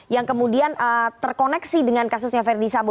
yang kemudian terkoneksi dengan kasusnya verdi sambo